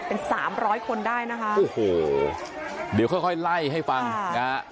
เป็นสามร้อยคนได้นะคะโอ้โหเดี๋ยวค่อยค่อยไล่ให้ฟังนะฮะ